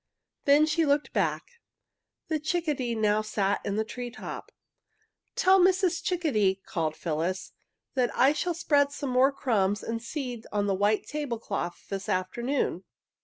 Then she looked back. The chickadee now sat in the tree top. "Tell Mrs. Chickadee," called Phyllis, "that I shall spread some more crumbs and seeds on the white table cloth this afternoon.